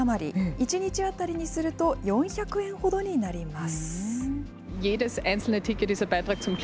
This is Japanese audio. １日当たりにすると４００円ほどになります。